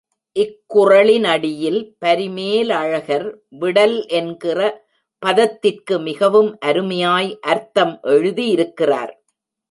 இக் குறளினடியில் பரிமேலழகர், விடல் என்கிற பதத்திற்கு மிகவும் அருமையாய் அர்த்தம் எழுதியிருக்கிறார்.